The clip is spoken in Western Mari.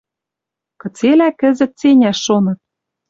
Кыцелӓ кӹзӹт ценяш шоныт